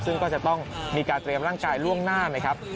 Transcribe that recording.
ซึ่งก็จะต้องมีการเตรียมร่างกายล่วงหน้านะครับ